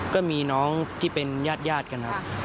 ก็มีน้องที่เป็นญาติกันครับ